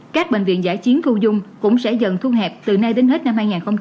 các bệnh viện giải chiến thu dung cũng sẽ dần thu hẹp từ nay đến hết năm hai nghìn hai mươi